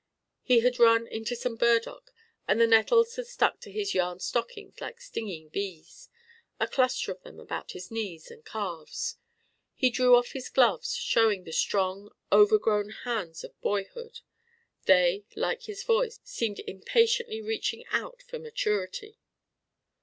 He had run into some burdock, and the nettles had stuck to his yarn stockings like stinging bees a cluster of them about his knees and calves. He drew off his gloves, showing the strong, overgrown hands of boyhood: they, like his voice, seemed impatiently reaching out for maturity.